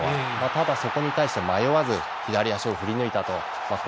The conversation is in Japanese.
ただ、そこに対して迷わずに左足を振り抜いた。